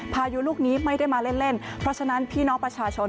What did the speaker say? พายุลูกนี้ไม่ได้มาเล่นเพราะฉะนั้นพี่น้องประชาชน